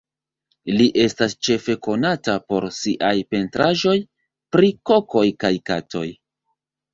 Li estas ĉefe konata por siaj pentraĵoj pri kokoj kaj katoj.